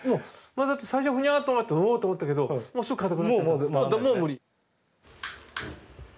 だって最初ふにゃっと曲がっておっと思ったけどもうすぐ硬くなっちゃったもう無理。